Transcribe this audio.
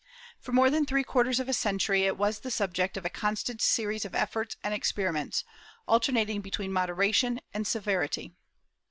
For more than three quarters of a century it was the subject of a constant series of efforts and experiments, alternating between moderation and severity.